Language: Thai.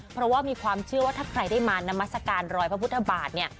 เพราะว่ามีความเชื่อว่าถ้าใครได้มานามัศกาลรอยพระพุทธบาทเนี่ย